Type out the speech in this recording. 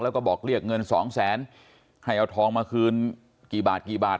แล้วก็บอกเรียกเงิน๒๐๐๐๐๐บาทให้เอาทองมาคืนกี่บาท